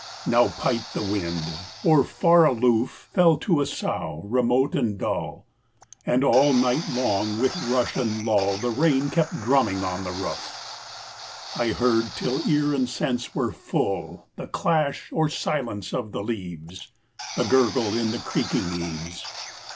Now piped the wind, or far aloof Fell to a sough remote and dull; And all night long with rush and lull The rain kept drumming on the roof: I heard till ear and sense were full The clash or silence of the leaves, The gurgle in the creaking eaves.